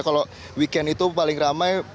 kalau weekend itu paling ramai